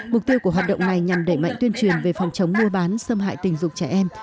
mục tiêu của hoạt động này nhằm đẩy mạnh tuyên truyền về phòng chống mua bán xâm hại tình dục trẻ em